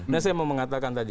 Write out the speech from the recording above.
nah saya mau mengatakan tadi